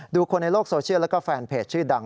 คนในโลกโซเชียลแล้วก็แฟนเพจชื่อดัง